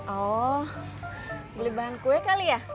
oh beli bahan kue kali ya